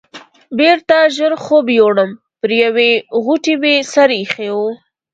بېرته ژر خوب یووړم، پر یوې غوټې مې سر ایښی و.